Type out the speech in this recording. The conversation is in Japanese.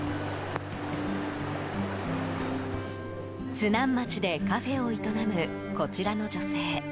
津南町でカフェを営むこちらの女性。